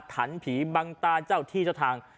ถันผีบังตาเจ้าที่เจ้าทาง